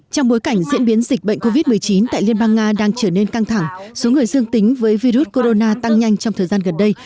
trong bối cảnh diễn biến dịch bệnh covid một mươi chín tại liên bang nga đang trở nên căng thẳng số người dương tính với virus corona tăng nhanh trong thời gian gần đây